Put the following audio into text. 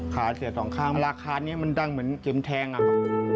ขาเสียสองข้างราคานี้มันดังเหมือนเข็มแทงอะครับ